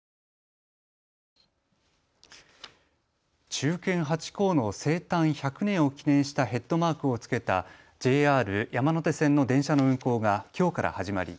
忠犬ハチ公の生誕１００年を記念したヘッドマークを付けたＪＲ山手線の電車の運行がきょうから始まり